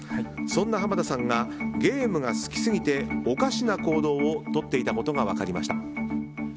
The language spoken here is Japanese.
そんな濱田さんがゲームが好きすぎておかしな行動をとっていたことが分かりました。